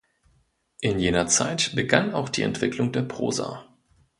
In jener Zeit begann auch die Entwicklung der Prosa.